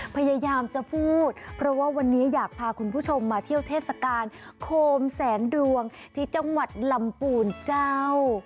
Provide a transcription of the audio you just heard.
พยายามจะพูดเพราะว่าวันนี้อยากพาคุณผู้ชมมาเที่ยวเทศกาลโคมแสนดวงที่จังหวัดลำปูนเจ้า